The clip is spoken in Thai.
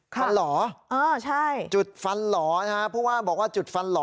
ฟันหล่อจุดฟันหล่อนะฮะเพราะว่าบอกว่าจุดฟันหล่อ